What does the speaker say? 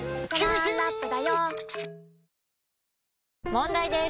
問題です！